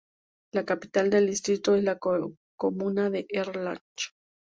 La capital del distrito es la comuna de Erlach.